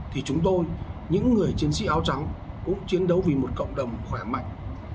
thì chúng tôi những người chiến sĩ áo trắng cũng chiến đấu vì một cộng đồng khỏe mạnh